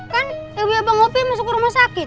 kan ibu abang opi masuk rumah sakit